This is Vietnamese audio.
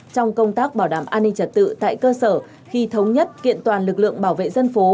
trong công tác bảo đảm an ninh trật tự tại cơ sở khi thống nhất kiện toàn lực lượng bảo vệ dân phố